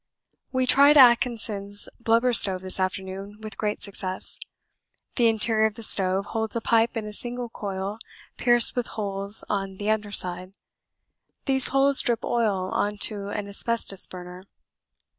We tried Atkinson's blubber stove this afternoon with great success. The interior of the stove holds a pipe in a single coil pierced with holes on the under side. These holes drip oil on to an asbestos burner.